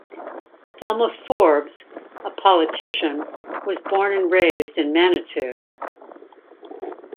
Thelma Forbes, a politician, was born and raised in Manitou.